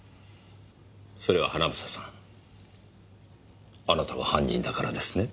それは英さんあなたが犯人だからですね？